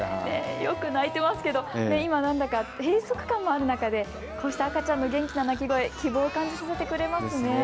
よく泣いていますけれども、閉塞感もある中でこうした赤ちゃんの元気な泣き声希望を感じさせてくれますね。